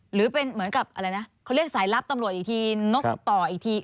หรือเป็นเหมือนกับอะไรนะเขาเรียกสายลับตำรวจอีกทีนกต่ออีกที